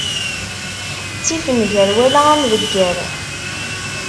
Ttif nnger wala amdegger.